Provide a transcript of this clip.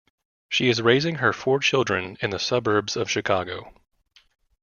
She is raising her four children in the suburbs of Chicago.